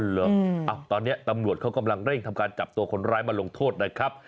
เหรอตอนนี้ตำรวจเขากำลังเร่งทำการจับตัวคนร้ายมาลงโทษนะครับ